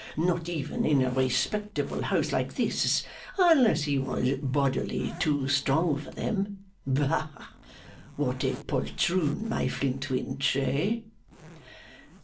not even in a respectable house like this unless he was bodily too strong for them. Bah! What a poltroon, my Flintwinch! Eh?